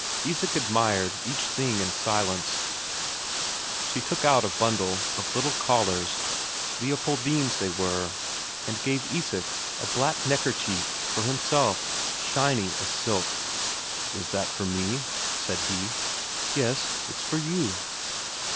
Isak admired each thing in silence. She took out a bundle of little collars Leopoldine's, they were. And gave Isak a black neckerchief for himself, shiny as silk. "Is that for me?" said he. "Yes, it's for you."